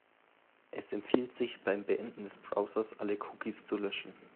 Es empfiehlt sich, beim Beenden des Browsers alle Cookies zu löschen.